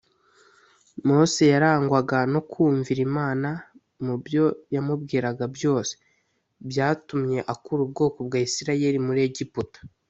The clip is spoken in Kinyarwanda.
Mose yarangwaga no kumvira Imana mubyo yamubwiraga byose; byatumye akura ubwoko bw’Abisirayeli muri Egiputa